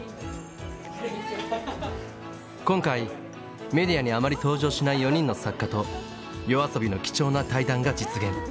今回メディアにあまり登場しない４人の作家とＹＯＡＳＯＢＩの貴重な対談が実現。